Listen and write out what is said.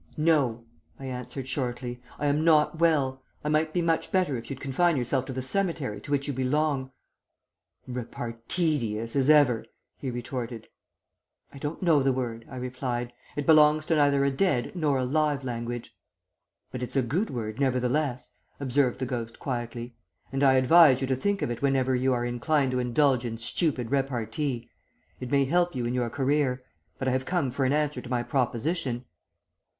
"'No!' I answered shortly, 'I am not well. I might be much better if you'd confine yourself to the cemetery to which you belong.' "'Reparteedious as ever!' he retorted. "'I don't know the word,' I replied; 'it belongs to neither a dead nor a live language.' "'But it's a good word, nevertheless,' observed the ghost quietly,' and I advise you to think of it whenever you are inclined to indulge in stupid repartee. It may help you in your career, but I have come for an answer to my proposition.'"